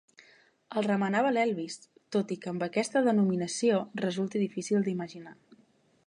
El remenava l'Elvis, tot i que amb aquesta denominació resulti difícil d'imaginar.